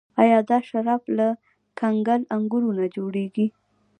آیا دا شراب له کنګل انګورو نه جوړیږي؟